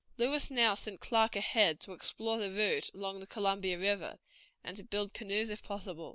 Lewis now sent Clark ahead to explore the route along the Columbia River, and to build canoes if possible.